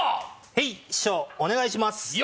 へい、師匠おねがいします。